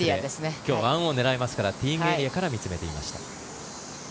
今日は１オンを狙えますからティーイングエリアから見つめていました。